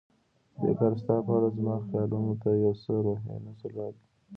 دې کار ستا په اړه زما خیالونو ته یو څه روحي تسل راکړ.